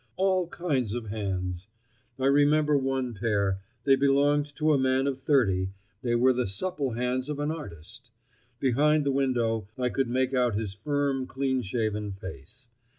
All kinds of hands! I remember one pair. They belonged to a man of thirty—they were the supple hands of an artist. Behind the window I could make out his firm, clean shaven face.